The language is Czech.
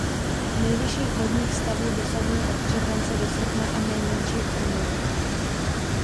Nejvyšších vodních stavů dosahuje od července do srpna a nejmenších v únoru.